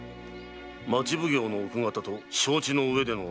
町奉行の奥方と承知の上での狼藉沙汰。